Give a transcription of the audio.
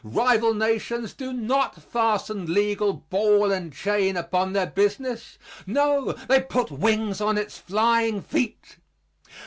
Rival nations do not fasten legal ball and chain upon their business no, they put wings on its flying feet.